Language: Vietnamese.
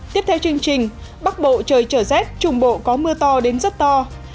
tiếp theo chương trình bắc bộ trời trở rét trung bộ có mưa to đến rất to